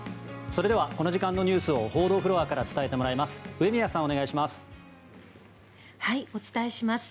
それではこの時間のニュースを報道フロアから伝えてもらいます上宮さん、お願いします。